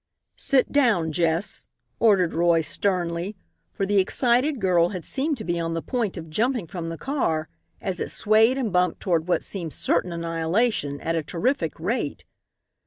"Sit down, Jess," ordered Roy, sternly, for the excited girl had seemed to be on the point of jumping from the car as it swayed and bumped toward what seemed certain annihilation, at a terrific rate.